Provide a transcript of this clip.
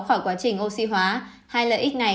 khỏi quá trình oxy hóa hai lợi ích này